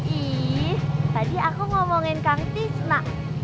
ih tadi aku ngomongin kang tisna